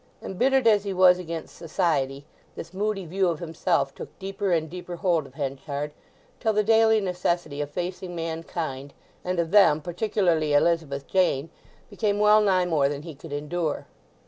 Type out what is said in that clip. Embittered as he was against society, this moody view of himself took deeper and deeper hold of Henchard, till the daily necessity of facing mankind, and of them particularly Elizabeth Jane, became well nigh more than he could endure.